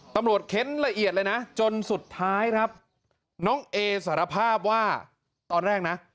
เค้นละเอียดเลยนะจนสุดท้ายครับน้องเอสารภาพว่าตอนแรกนะ